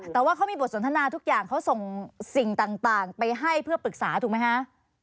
แต่ว่าเขามีบทสนทนาทุกอย่างเขาส่งสิ่งต่างไปให้เพื่อปรึกษาถูกไหมคะ